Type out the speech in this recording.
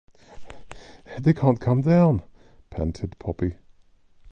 “They can’t come down,” panted Poppy.